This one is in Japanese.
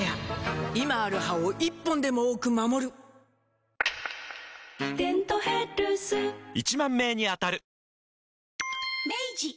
今ある歯を１本でも多く守る「デントヘルス」１０，０００名に当たる！